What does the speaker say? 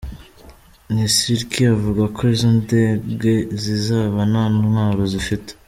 Nesirky avuga ko izo ndege zizaba nta ntwaro zifite.